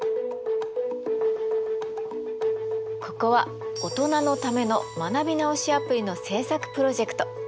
ここはオトナのための学び直しアプリの制作プロジェクト。